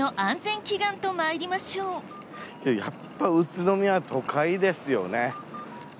やっぱ宇都宮都会ですよね。